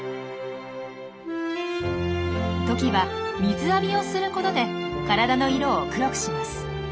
トキは水浴びをすることで体の色を黒くします。